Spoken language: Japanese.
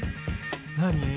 何？